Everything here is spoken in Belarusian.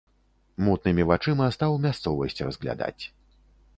Мутнымі вачыма стаў мясцовасць разглядаць.